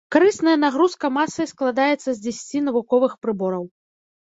Карысная нагрузка масай складаецца з дзесяці навуковых прыбораў.